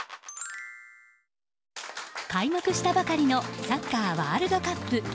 開幕したばかりのサッカーワールドカップ。